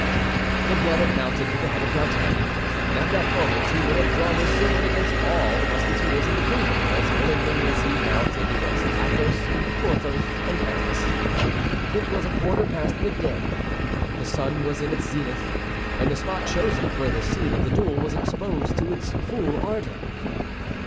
The blood had mounted to the head of D'Artagnan, and at that moment he would have drawn his sword against all the Musketeers in the kingdom as willingly as he now did against Athos, Porthos, and Aramis. It was a quarter past midday. The sun was in its zenith, and the spot chosen for the scene of the duel was exposed to its full ardor.